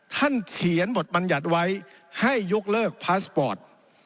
ท่านเขียนบทบรรยัติไว้ให้ยกเลิกพาสปอร์ต